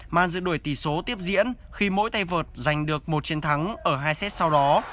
màn dự đổi tỷ số tiếp diễn khi mỗi tay vợt giành được một chiến thắng ở hai xét sau đó